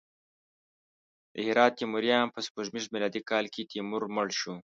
د هرات تیموریان: په سپوږمیز میلادي کال کې تیمور مړ شو.